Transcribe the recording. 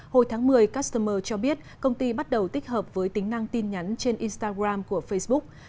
hồi tháng một mươi customer cho biết công ty bắt đầu tích hợp với tính năng tin nhắn trên instagram của facebook